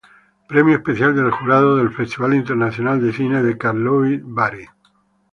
Premio especial del jurado del Festival Internacional de Cine de Karlovy Vary.